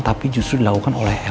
tapi justru dilakukan oleh